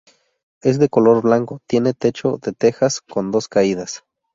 Es de color blanco tiene techo de tejas con dos caídas.